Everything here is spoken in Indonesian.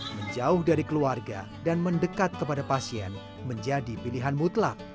menjauh dari keluarga dan mendekat kepada pasien menjadi pilihan mutlak